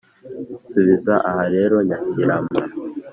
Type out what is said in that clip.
subiza aha rero nyakirama